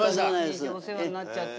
お世話になっちゃって。